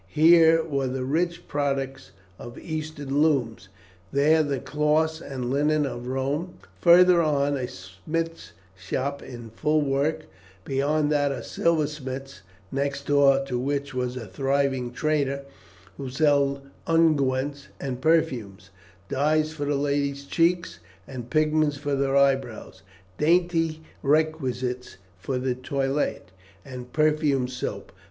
Here were the rich products of Eastern looms, there the cloths and linen of Rome, further on a smith's shop in full work, beyond that a silversmith's, next door to which was a thriving trader who sold unguents and perfumes, dyes for the ladies' cheeks and pigments for their eyebrows, dainty requisites for the toilette, and perfumed soap.